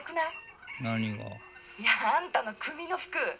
「いやあんたの組の服。